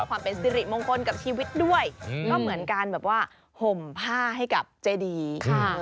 ความเป็นสิริมงคลกับชีวิตด้วยก็เหมือนการแบบว่าห่มผ้าให้กับเจดีค่ะ